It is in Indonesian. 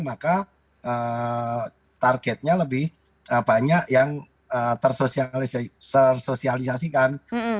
maka targetnya lebih banyak yang tersosialisasikan